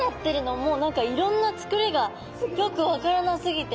もう何かいろんなつくりがよく分からなすぎて。